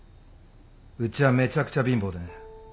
うちはめちゃくちゃ貧乏でね